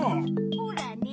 ほらね。